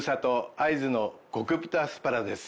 会津の極太アスパラです。